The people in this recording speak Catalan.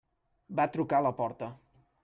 Va trucar a la porta.